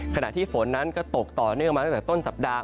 ขณะที่ฝนนั้นก็ตกต่อเนื่องมาตั้งแต่ต้นสัปดาห